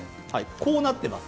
こうなってます。